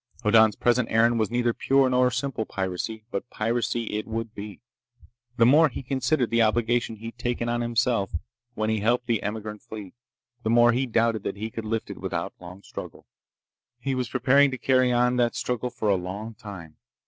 Hoddan's present errand was neither pure nor simple piracy, but piracy it would be. The more he considered the obligation he'd taken on himself when he helped the emigrant fleet, the more he doubted that he could lift it without long struggle. He was preparing to carry on that struggle for a long time.